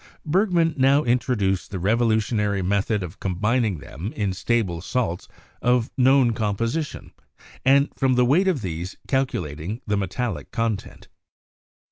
Bergman now introduced the revolutionary method of combining them in stable salts of known com position, and from the weight of these calculating the metallic content.